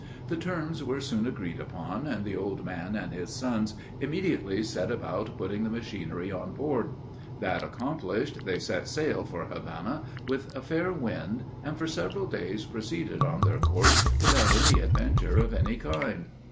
The terms were soon agreed upon, and the old man and his sons immediately set about putting the machinery on board; that accomplished, they set sail for Havana, with a fair wind, and for several days proceeded on their course without any adventure of any kind.